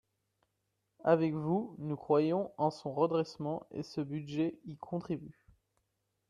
Avec vous, nous croyons en son redressement et ce budget y contribue